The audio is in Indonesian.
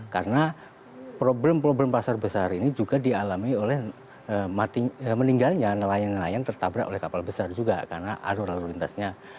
karena problem problem pasar besar ini juga dialami oleh meninggalnya nelayan nelayan tertabrak oleh kapal besar juga karena adu adu lintasnya